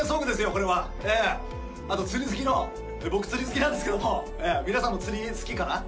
これはええあと釣り好きの僕釣り好きなんですけども皆さんも釣り好きかな？